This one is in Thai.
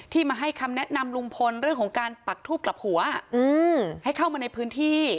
มาให้คำแนะนำลุงพลเรื่องของการปักทูบกลับหัวให้เข้ามาในพื้นที่